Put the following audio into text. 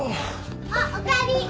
あっおかえり。